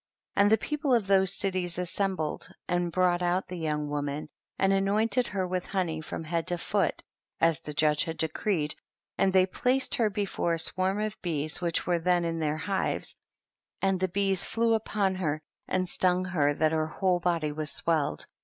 42. And the people of those cities assembled and brought out the young woman, and anointed her with honey from head to foot, as the judge had decreed, and they placed her before a swarm of bees which were then in their hives, and the bees flew up on her and stung her that her whole body was swelled.